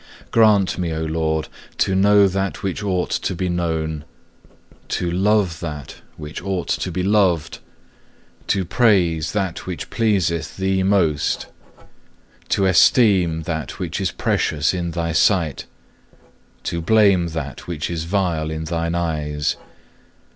7. Grant me, O Lord, to know that which ought to be known; to love that which ought to be loved; to praise that which pleaseth Thee most, to esteem that which is precious in Thy sight, to blame that which is vile in Thine eyes.